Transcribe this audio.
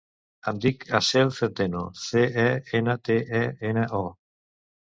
Em dic Aseel Centeno: ce, e, ena, te, e, ena, o.